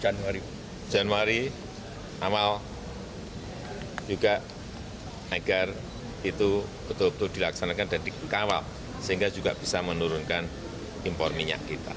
januari awal juga agar itu betul betul dilaksanakan dan dikawal sehingga juga bisa menurunkan impor minyak kita